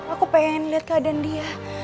aku pengen lihat keadaan dia